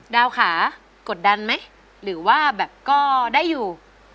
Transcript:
ดาวค่ะกดดันไหมหรือว่าแบบก็ได้อยู่